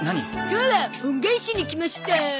今日は恩返しに来ましたー！